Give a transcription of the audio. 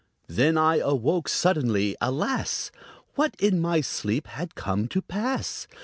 Then I woke suddenly. Alas! What in my sleep had come to pass?